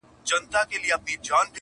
یو لوی مرض دی لویه وبا ده-